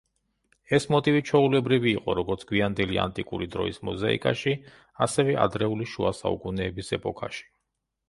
ეს მოტივი ჩვეულებრივი იყო როგორც გვიანდელი ანტიკური დროის მოზაიკაში, ასევე ადრეული შუასაუკუნეების ეპოქაში.